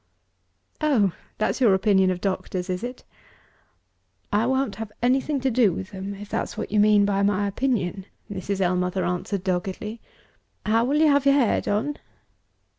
"Oh! That's your opinion of doctors, is it?" "I won't have anything to do with them if that's what you mean by my opinion," Mrs. Ellmother answered doggedly. "How will you have your hair done?"